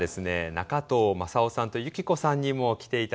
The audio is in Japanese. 仲藤正雄さんと由希子さんにも来て頂いています。